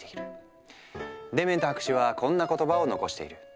デメント博士はこんな言葉を残している。